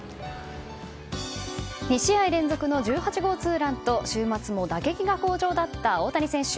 ２試合連続の１８号ツーランと週末も打撃が好調だった大谷選手。